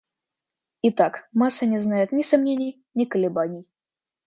Итак, масса не знает ни сомнений, ни колебаний.